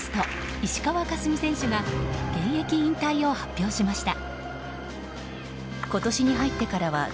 石川佳純選手が現役引退を発表しました。